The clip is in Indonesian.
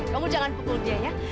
kamu jangan pukul dia ya